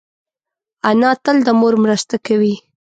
انا تل د مور مرسته کوي